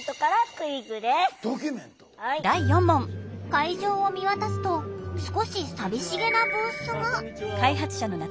会場を見渡すと少し寂しげなブースが。